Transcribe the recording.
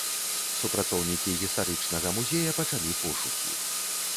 Супрацоўнікі гістарычнага музея пачалі пошукі.